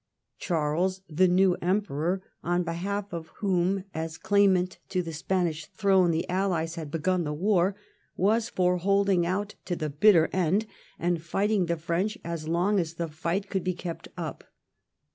Charles, the new Emperor, on behalf of whom as claimant of the Spanish throne the Allies had begun the war, was for holding out to the bitter end, and fighting the French as long as the fight could be kept up.